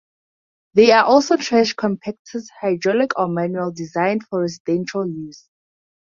There are also trash compactors, hydraulic or manual, designed for residential use.